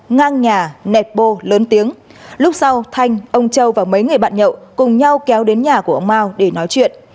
ngang nhà nẹp bô lớn tiếng lúc sau thanh ông châu và mấy người bạn nhậu cùng nhau kéo đến nhà của ông mao để nói chuyện